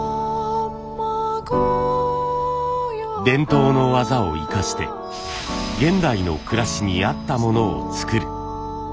伝統の技を生かして現代の暮らしに合ったものを作る。